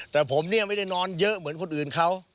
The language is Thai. แต่ผมเนี่ยไม่ได้นอนเยอะเหมือนคนอื่นเขา